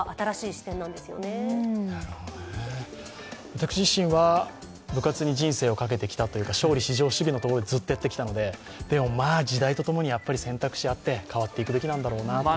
私自身は部活に人生をかけてきたというか勝利至上主義のところでずっとやってきたので、時代とともに、やっぱり選択肢あって、変わっていくべきなんだろうなと。